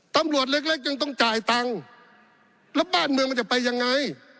ตำรวจเล็กยังต้องจ่ายตังค์แล้วบ้านเมืองมันจะไปยังไง